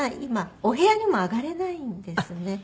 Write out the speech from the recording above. まあ今お部屋にも上がれないんですね。